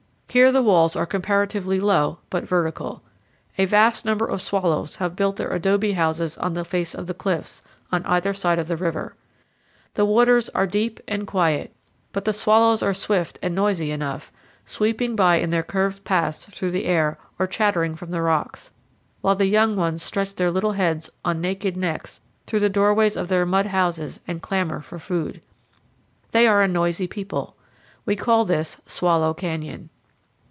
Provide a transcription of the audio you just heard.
Here the walls are comparatively low, but vertical. A vast number of swallows have built their adobe houses on the face of the cliffs, on either side of the river. The waters are deep and quiet, but the swallows are swift and noisy enough, sweeping by in their curved paths through the air or chattering from the rocks, while the young ones stretch their little heads on naked necks FROM FLAMING GORGE TO THE GATE OF LODORE. 147 through the doorways of their mud houses and clamor for food. They are a noisy people. We call this Swallow Canyon.